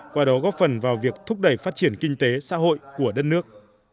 qua đó góp phần vào việc thúc đẩy phát triển kinh tế xã hội của đất nước